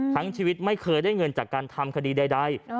ชีวิตไม่เคยได้เงินจากการทำคดีใด